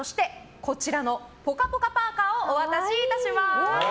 こちらの、ぽかぽかパーカをお渡しいたします。